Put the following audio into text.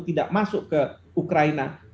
tidak masuk ke ukraina